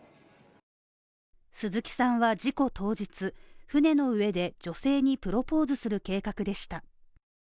鈴木さんは事故当日、船の上で女性にプロポーズする計画でした。